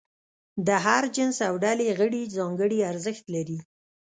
د هر جنس او ډلې غړي ځانګړي ارزښت لري.